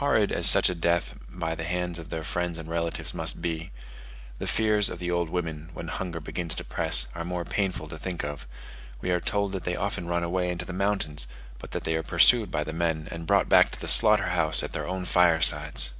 Horrid as such a death by the hands of their friends and relatives must be, the fears of the old women, when hunger begins to press, are more painful to think of; we are told that they then often run away into the mountains, but that they are pursued by the men and brought back to the slaughter house at their own firesides!